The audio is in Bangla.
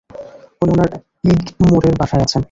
উনি ওনার ইগমোরের বাসায় আছেন।